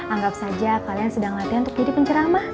anggap saja kalian sedang latihan untuk jadi penceramah